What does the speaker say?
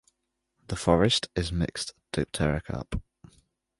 The forest is mixed dipterocarp.